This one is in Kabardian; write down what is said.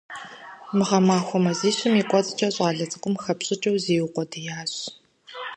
Мы гъэмахуэ мазищым и кӀуэцӀкӀэ щӀалэ цӀыкӀум хэпщӀыкӀыу зиукъуэдиящ.